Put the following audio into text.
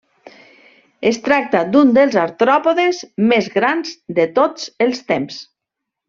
Es tracta d'un dels artròpodes més grans de tots els temps.